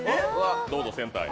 どうぞセンターへ。